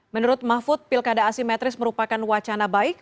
menurut mahfud pilkada asimetris merupakan wacana baik